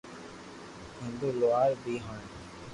ھندو لوھار بي ھي